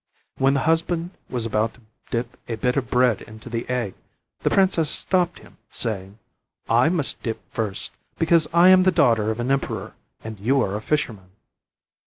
When the husband was about to dip a bit of bread into the egg, the princess stopped him, saying: "I must dip first, because I am the daughter of an emperor, and you are a fisherman."